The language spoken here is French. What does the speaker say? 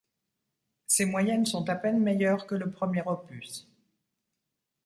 Ces moyennes sont à peine meilleures que le premier opus.